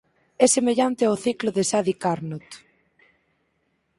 É semellante ao ciclo de Sadi Carnot.